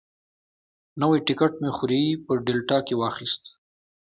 نوی ټکټ مې خوریي په ډیلټا کې واخیست.